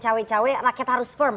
cewek cewek rakyat harus